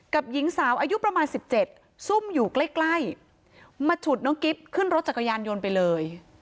หญิงสาวอายุประมาณ๑๗ซุ่มอยู่ใกล้ใกล้มาฉุดน้องกิ๊บขึ้นรถจักรยานยนต์ไปเลย